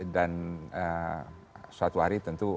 dan suatu hari tentu